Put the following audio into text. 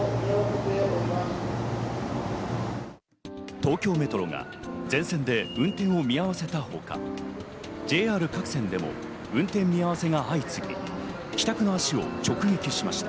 東京メトロが全線で運転を見合わせたほか、ＪＲ各線でも運転見合わせが相次ぎ、帰宅の足を直撃しました。